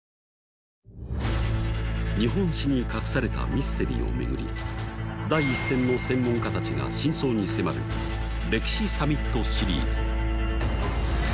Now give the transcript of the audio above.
日本史に隠されたミステリーをめぐり第一線の専門家たちが真相に迫る歴史サミットシリーズ。